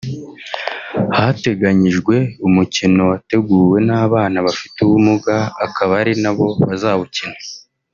hateganyijwe umukino wateguwe n’abana bafite ubumuga akaba ari nabo bazawukina